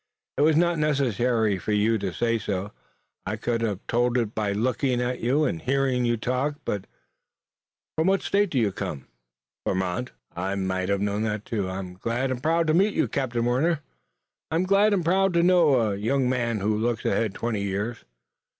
"It was not necessary for you to say so. I could have told it by looking at you and hearing you talk. But from what state do you come?" "Vermont." "I might have known that, too, and I'm glad and proud to meet you, Captain Warner. I'm glad and proud to know a young man who looks ahead twenty years.